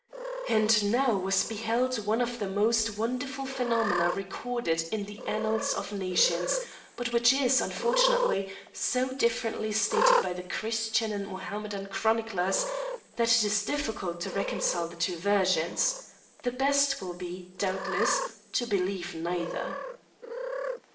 And now was beheld one of the most wonderful phenomena recorded in the annals of nations, but which is, unfortunately, so differently stated by the Christian and Mohammedan chroniclers, that it is difficult to reconcile the two versions; the better way will be, doubtless, to believe neither.